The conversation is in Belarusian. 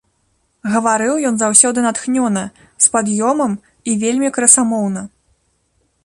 Гаварыў ён заўсёды натхнёна, з пад'ёмам і вельмі красамоўна.